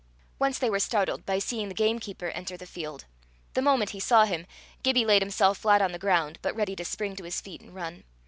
Once they were startled by seeing the gamekeeper enter the field. The moment he saw him, Gibbie laid himself flat on the ground, but ready to spring to his feet and run.